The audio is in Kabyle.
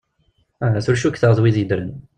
Ahat ur cukteɣ d wid yeddren?